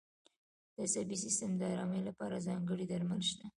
د عصبي سیستم د آرامۍ لپاره ځانګړي درمل شته.